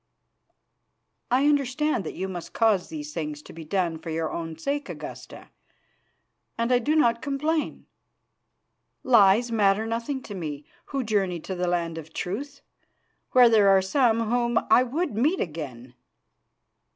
"I understand that you must cause these things to be done for your own sake, Augusta, and I do not complain. Lies matter nothing to me, who journey to the Land of Truth, where there are some whom I would meet again.